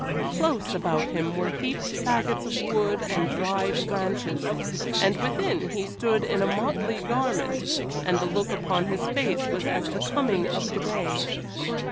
Close about him were heaped fagots of wood and dried branches, and within he stood in a motley garment, and the look upon his face was as the coming of the day.